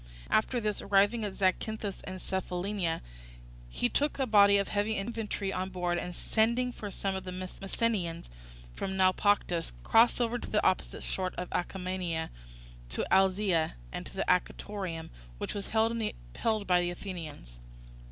After this, arriving at Zacynthus and Cephallenia, he took a body of heavy infantry on board, and sending for some of the Messenians from Naupactus, crossed over to the opposite coast of Acarnania, to Alyzia, and to Anactorium which was held by the Athenians.